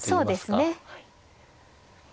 そうですね。